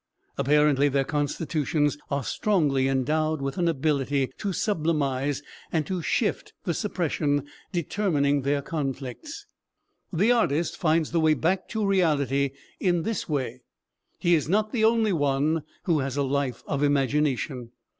Apparently their constitutions are strongly endowed with an ability to sublimize and to shift the suppression determining their conflicts. The artist finds the way back to reality in this way. He is not the only one who has a life of imagination.